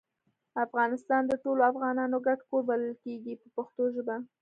افغانستان د ټولو افغانانو ګډ کور بلل کیږي په پښتو ژبه.